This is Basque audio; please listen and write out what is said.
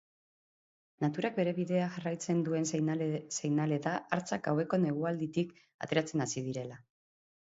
Naturak bere bidea jarraitzen duen seinale da hartzak gaueko negualditik ateratzen hasi direla.